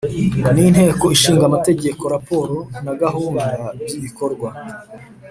n’ inteko ishinga amategeko, raporo na gahunda by’ibikorwa